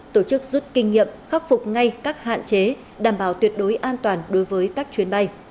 tổ chức rút kinh nghiệm khắc phục ngay các hạn chế đảm bảo tuyệt đối an toàn đối với các chuyến bay